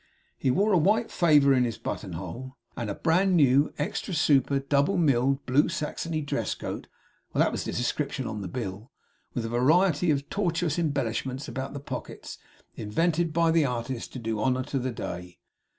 He wore a white favour in his button hole, and a bran new extra super double milled blue saxony dress coat (that was its description in the bill), with a variety of tortuous embellishments about the pockets, invented by the artist to do honour to the day.